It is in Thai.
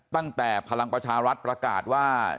พลังประชารัฐประกาศว่า